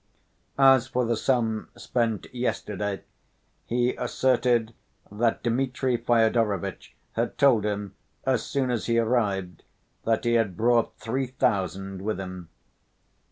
As for the sum spent yesterday he asserted that Dmitri Fyodorovitch had told him, as soon as he arrived, that he had brought three thousand with him.